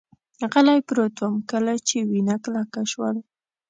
غلی پروت ووم، کله چې وینه کلکه شول.